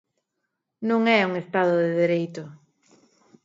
Non é un Estado de Dereito.